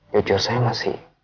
jujur saya masih